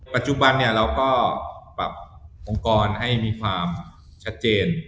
ปัจจุบันเราก็ปรับองค์กรให้มีความชัดเจน